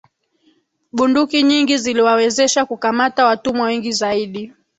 Bunduki nyingi ziliwawezesha kukamata watumwa wengi zaidi